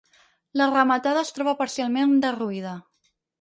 La rematada es troba parcialment derruïda.